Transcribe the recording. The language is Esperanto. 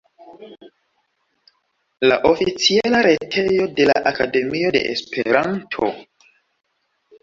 La oficiala retejo de la Akademio de Esperanto.